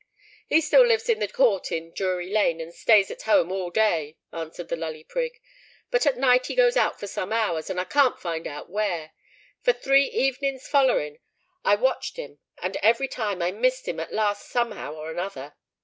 "He still lives in the court in Drury Lane, and stays at home all day," answered the Lully Prig. "But at night he goes out for some hours, and I can't find out where. For three evenin's follering I watched him; and every time I missed him at last somehow or another."